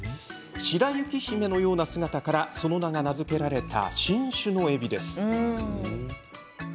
白雪姫のような姿からその名が名付けられた新種のエビです。